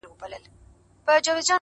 مُريد ښه دی ملگرو؟ او که پير ښه دی؟